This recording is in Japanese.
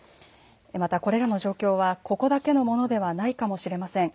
またこれらの状況はここだけのものではないかもしれません。